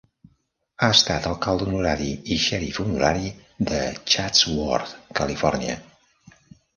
Ha estat alcalde honorari i xerif honorari de Chatsworth, Califòrnia.